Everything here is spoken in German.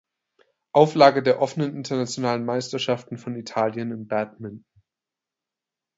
Auflage der offenen internationalen Meisterschaften von Italien im Badminton.